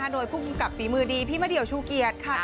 โดยผู้กำกับฟีมือดีพี่มดิวชูเกียจค่ะ